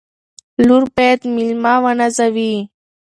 لور باید مېلمه ونازوي.